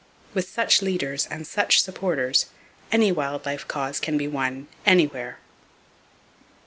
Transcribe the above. With such leaders and such supporters, any wild life cause can be won, anywhere!